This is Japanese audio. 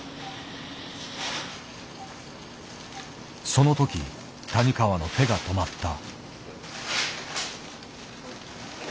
その時谷川の手が止まった。